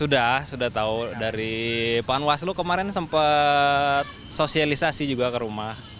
sudah sudah tahu dari panwaslu kemarin sempat sosialisasi juga ke rumah